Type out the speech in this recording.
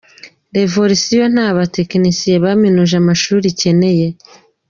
Revolisiyo nta batekenisiye baminuje amashuri ikenera.